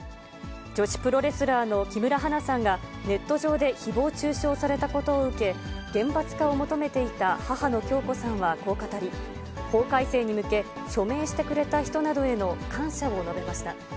女子プラレスラーの木村花さんが、ネット上でひぼう中傷されたことを受け、厳罰化を求めていた母の響子さんはこう語り、法改正に向け、署名してくれた人などへの感謝を述べました。